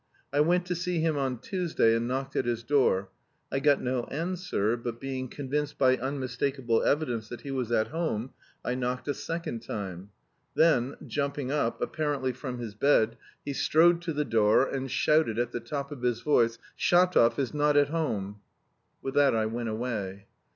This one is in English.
I went to see him on Tuesday and knocked at his door. I got no answer, but being convinced by unmistakable evidence that he was at home, I knocked a second time. Then, jumping up, apparently from his bed, he strode to the door and shouted at the top of his voice: "Shatov is not at home!" With that I went away.